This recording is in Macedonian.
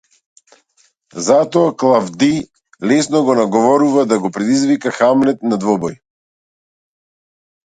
Затоа Клавдиј лесно го наговорува да го предизвика Хамлет на двобој.